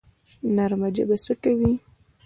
نرمه ژبه څه کوي؟